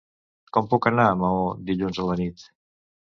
Com puc anar a Maó dilluns a la nit?